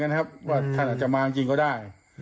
ท่านอาจมาจากจริงก็ได้